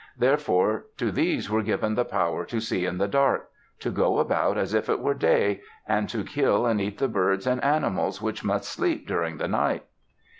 Therefore, to these were given the power to see in the dark, to go about as if it were day, and to kill and eat the birds and animals which must sleep during the night.